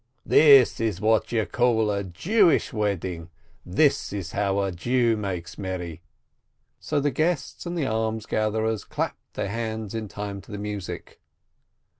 "This is what you call a Jewish wedding !" "This is how a Jew makes merry !" So the guests and the almsgatherers clapped their hands in time to the music.